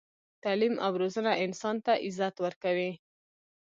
تعلیم او روزنه انسان ته عزت ورکوي.